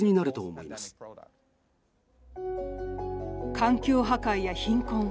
環境破壊や貧困。